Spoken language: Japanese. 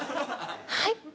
はい？